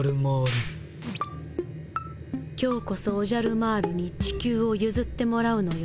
今日こそオジャルマールに地球をゆずってもらうのよ